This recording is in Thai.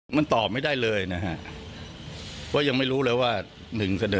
มันตอบไม่ได้เลยนะฮะเพราะยังไม่รู้เลยว่าหนึ่งเสนอ